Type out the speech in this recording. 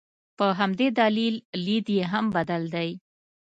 په همدې دلیل لید یې هم بدل دی.